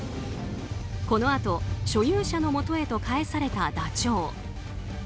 このあと所有者のもとへと返されたダチョウ。